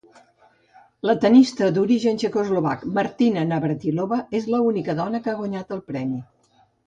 La tennista d'origen txecoslovac, Martina Navratilova, és l'única dona que ha guanyat el premi.